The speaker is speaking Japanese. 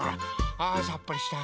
あさっぱりした。